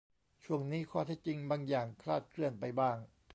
ข่าวนี้ข้อเท็จจริงบางอย่างคลาดเคลื่อนไปบ้าง